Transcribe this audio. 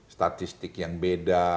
statistik yang beda